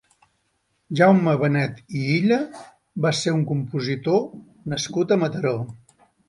Jaume Banet i Illa va ser un compositor nascut a Mataró.